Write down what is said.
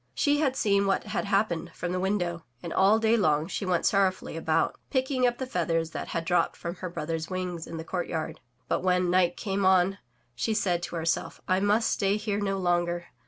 She had seen what had happened from the window, and all day long she went sorrowfully about, picking up the feathers that had dropped from her brothers' wings in the courtyard. But when night came on, she said to herself, *T must stay here no longer.